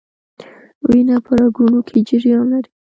وینه په رګونو کې جریان لري